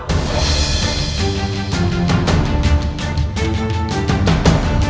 aku adalah senopati pada jaran yang baru